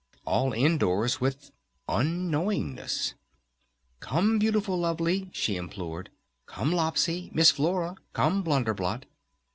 All indoors, with unknownness! "Come, Beautiful Lovely!" she implored. "Come, Lopsy! Miss Flora! Come, Blunder Blot!'"